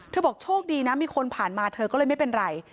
บอกโชคดีนะมีคนผ่านมาเธอก็เลยไม่เป็นไร